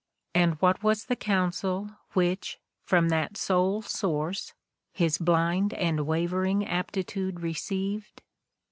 And what was the counsel which, from that sole source, his blind and wavering aptitude received?